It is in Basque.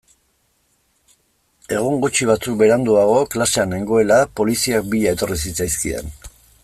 Egun gutxi batzuk beranduago, klasean nengoela, poliziak bila etorri zitzaizkidan.